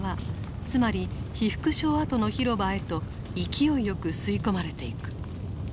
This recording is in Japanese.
つまり被服廠跡の広場へと勢いよく吸い込まれていく。